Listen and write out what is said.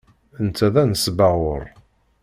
Netta d anesbaɣur.